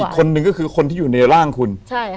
คนหนึ่งก็คือคนที่อยู่ในร่างคุณ